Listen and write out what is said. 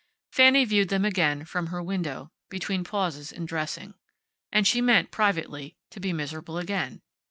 Fanny viewed them again, from her window, between pauses in dressing. And she meant, privately, to be miserable again.